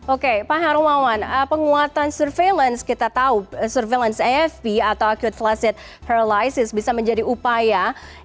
oke pak harumawan penguatan surveillance kita tahu surveillance afp atau acute flaccid paralysis bisa menjadi upaya